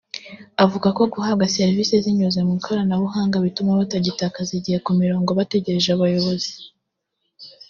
avuga ko guhabwa serivisi zinyuze mu ikoranabuhanga bituma batagitakaza igihe ku mirongo bategereje abayobozi